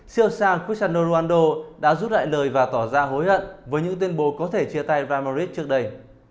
siêu sang cristiano ronaldo đã rút lại lời và tỏ ra hối hận với những tuyên bố có thể chia tay real madrid trước đây